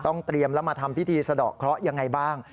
เตรียมแล้วมาทำพิธีสะดอกเคราะห์ยังไงบ้าง